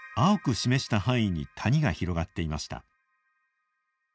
示した範囲に谷が広がっていました。